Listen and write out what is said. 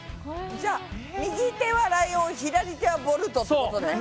じゃあ右手はライオン左手はボルトってことね。